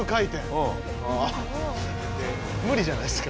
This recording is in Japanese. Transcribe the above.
無理じゃないですか。